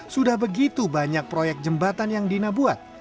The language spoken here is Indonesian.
sudah begitu banyak proyek jembatan yang dina buat